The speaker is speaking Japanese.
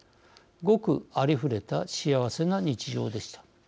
ごくありふれた幸せな日常でした。